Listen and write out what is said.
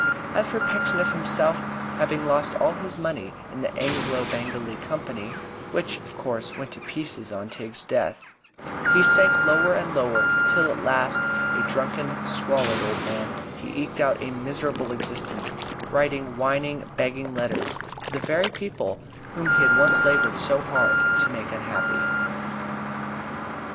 As for Pecksniff himself, having lost all his money in the Anglo Bengalee Company (which, of course, went to pieces on Tigg's death), he sank lower and lower, till at last, a drunken, squalid old man, he eked out a miserable existence writing whining begging letters to the very people whom he had once labored so hard to make unhappy.